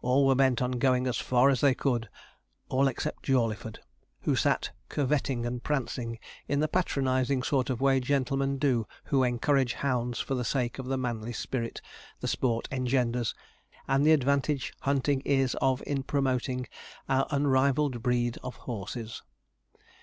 All were bent on going as far as they could all except Jawleyford, who sat curvetting and prancing in the patronizing sort of way gentlemen do who encourage hounds for the sake of the manly spirit the sport engenders, and the advantage hunting is of in promoting our unrivalled breed of horses.